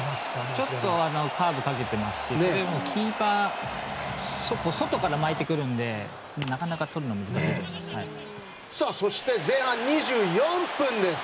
ちょっとカーブかけていますしキーパーは外から巻いてくるのでなかなかとるの難しいです。